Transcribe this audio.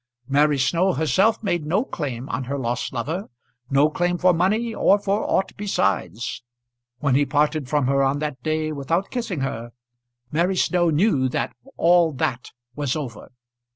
Mary Snow herself made no claim on her lost lover, no claim for money or for aught besides. When he parted from her on that day without kissing her, Mary Snow knew that all that was over.